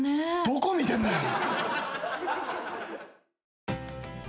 どこ見てんだよ！